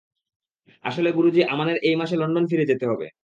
আসলে গুরুজি আমানের এই মাসে লন্ডনে ফিরে যেতে হবে।